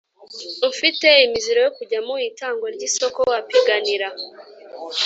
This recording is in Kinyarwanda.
Ufite imiziro yo kujya mu itangwa ry isoko apiganira